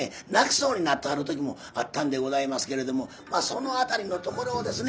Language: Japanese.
そうになってはる時もあったんでございますけれどもまあその辺りのところをですね